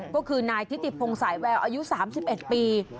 ก็คือนายทิติพงสายแววอายุ๓๑ปี